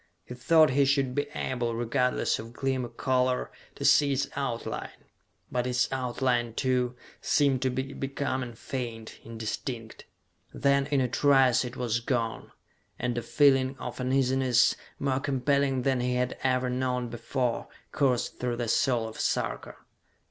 He thought he should be able, regardless of gleam or color, to see its outline; but its outline, too, seemed to be becoming faint, indistinct. Then, in a trice, it was gone, and a feeling of uneasiness, more compelling than he had ever known before, coursed through the soul of Sarka.